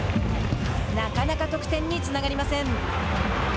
なかなか得点につながりません。